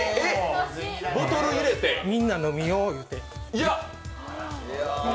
みんな飲めよ、言うて。